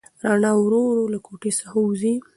رڼا ورو ورو له کوټې څخه وځي.